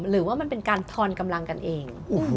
หรือว่ามันเป็นการทอนกำลังกันเอง